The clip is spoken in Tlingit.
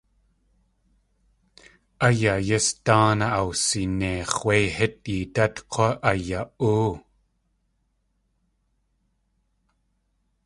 A yayís dáanaa awsineix̲ wé hít yeedát k̲wá aya.óo.